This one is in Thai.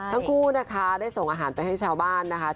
ทั้งคู่นะคะได้ส่งอาหารไปให้ชาวบ้านนะคะ